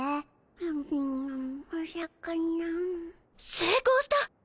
成功した！